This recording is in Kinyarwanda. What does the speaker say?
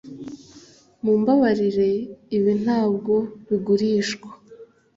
mumbabarire, ibi ntabwo bigurishwa.